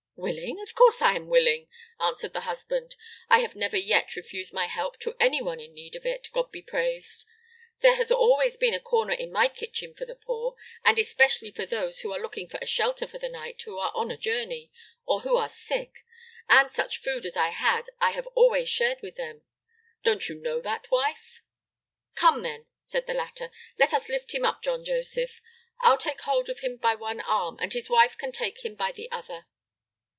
"Willing? Of course I am willing," answered her husband. "I have never yet refused my help to any one in need of it, God be praised! There has always been a corner in my kitchen for the poor, and especially for those who are looking for a shelter for the night, who are on a journey, or who are sick; and such food as I had, I have always shared with them! Don't you know that, wife?" "Come, then," said the latter; "let us lift him up, John Joseph; I 'll take hold of him by one arm and his wife can take him by the other."